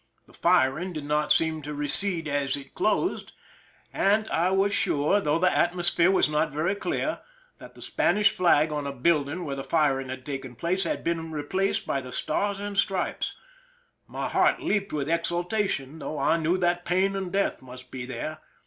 The firing did not seem to recede as it closed, and I was sure, . 260 PRISON LIFE~THE SIEQE though the atmosphere was not very clear, that the Spanish flag on a building where the firing had taken place had been replaced by the Stars and Stripes. My heart leaped with exultation, though I knew that pain and death must be there.